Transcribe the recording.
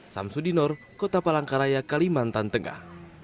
samsudinor kota palangkaraya kalimantan tengah